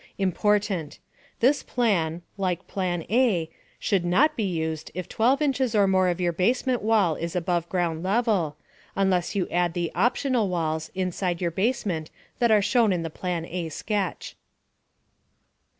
Important: This plan (like Plan A) should not be used if 12 inches or more of your basement wall is above ground level, unless you add the "optional walls" inside your basement that are shown in the Plan A sketch.